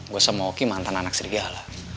gue sama oki mantan anak serigala